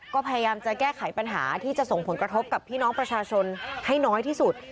ก็พยายามจะแก้ไขปัญหาที่จะส่งผลกระทบกับพี่น้องประชาชนให้น้อยที่สุด